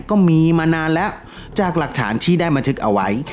ก็มีมานานแล้วจากหลักฐานที่ได้บันทึกเอาไว้